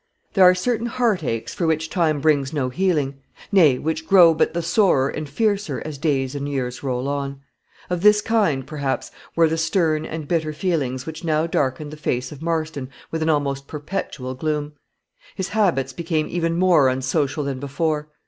There are certain heartaches for which time brings no healing; nay, which grow but the sorer and fiercer as days and years roll on; of this kind, perhaps, were the stern and bitter feelings which now darkened the face of Marston with an almost perpetual gloom. His habits became even more unsocial than before.